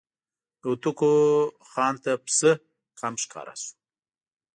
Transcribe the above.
د هوتکو خان ته پسه کم ښکاره شو.